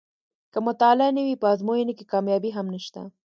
که مطالعه نه وي په ازموینو کې کامیابي هم نشته.